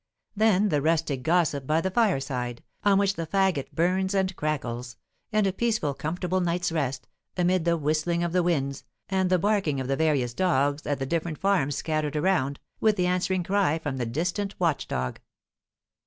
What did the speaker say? Then the rustic gossip by the fireside, on which the fagot burns and crackles, and a peaceful, comfortable night's rest, amid the whistling of the winds, and the barking of the various dogs at the different farms scattered around, with the answering cry from the distant watch dog.